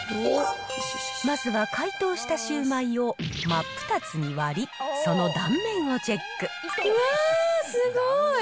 まずは解凍したシュウマイを真っ二つに割り、その断面をチェわー、すごい。